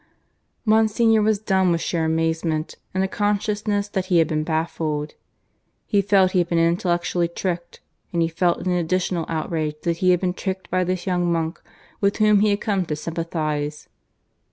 Monsignor was dumb with sheer amazement, and a consciousness that he had been baffled. He felt he had been intellectually tricked; and he felt it an additional outrage that he had been tricked by this young monk with whom he had come to sympathize.